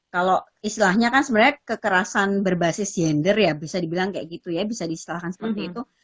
kalau istilahnya kan sebenarnya kekerasan berbasis gender ya bisa dibilang kayak gitu ya bisa diselahkan seperti itu